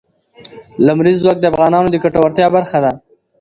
لمریز ځواک د افغانانو د ګټورتیا برخه ده.